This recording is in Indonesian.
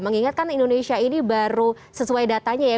mengingatkan indonesia ini baru sesuai datanya ya